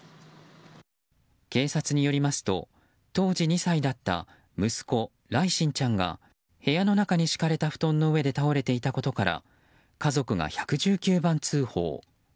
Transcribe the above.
警察によりますと当時２歳だった息子・來心ちゃんが部屋の中に敷かれた布団の上で倒れていたことから家族が１１９番通報。